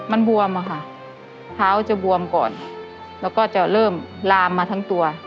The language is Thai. มันบวมอะค่ะเท้าจะบวมก่อนแล้วก็จะเริ่มลามมาทั้งตัว